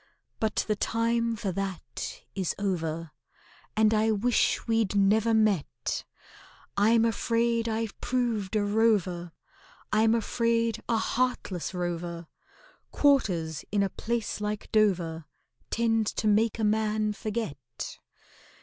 But the time for that is over, And I wish we'd never met. I'm afraid I've proved a rover— I'm afraid a heartless rover— Quarters in a place like Dover Tend to make a man forget.